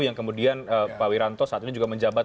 yang kemudian pak wiranto saat ini juga menjabat